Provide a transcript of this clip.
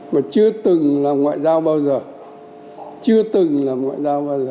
mà chưa từng làm ngoại giao bao giờ chưa từng làm ngoại giao bao giờ